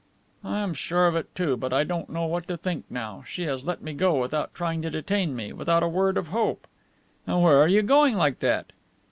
"I am sure of it, too. But I don't know what to think now. She has let me go, without trying to detain me, without a word of hope." "And where are you going like that?"